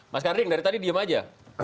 mas karding dari tadi diem aja